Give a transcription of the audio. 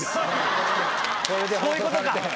そういうことか！